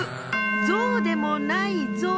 ゾウでもないゾウ。